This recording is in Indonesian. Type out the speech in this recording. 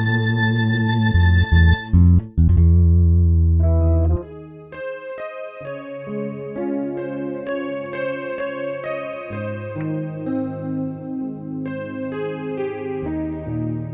tidak ada yang bisa dikawal